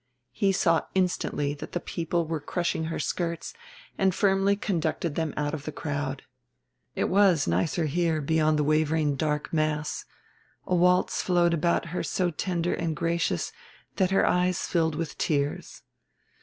He saw instantly that the people were crushing her skirts, and firmly conducted them out of the crowd. It was nicer here beyond the wavering dark mass: a waltz flowed about her so tender and gracious that her eyes filled with tears.